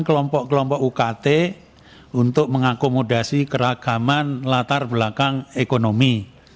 kelompok kelompok ukt untuk mengakomodasi keragaman latar belakang ekonomi